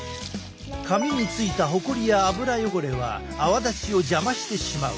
髪についたほこりや脂汚れは泡立ちを邪魔してしまう。